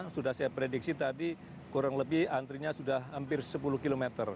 sudah saya prediksi tadi kurang lebih antrinya sudah hampir sepuluh km